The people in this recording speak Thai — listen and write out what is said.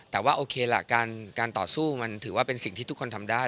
แต่ว่าโอเคล่ะการต่อสู้มันถือว่าเป็นสิ่งที่ทุกคนทำได้